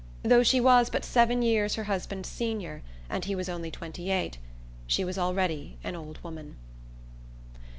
Though she was but seven years her husband's senior, and he was only twenty eight, she was already an old woman.